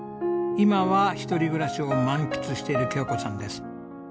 今は一人暮らしを満喫している京子さんです。